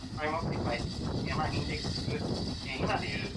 雪や風の強まる所